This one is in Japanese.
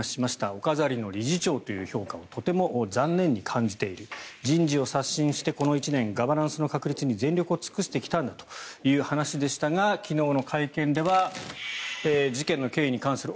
お飾りの理事長という評価をとても残念に感じている人事を刷新してこの１年、ガバナンスの確立に全力を尽くしてきたんだという話でしたが昨日の会見では事件の経緯に関する